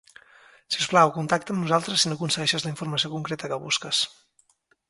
Si us plau, contacta amb nosaltres si no aconsegueixes la informació concreta que busques.